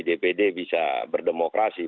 dpd bisa berdemokrasi